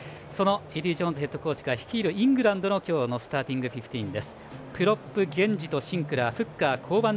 エディー・ジョーンズヘッドコーチが率いるイングランドの今日のスターティングフィフティーン。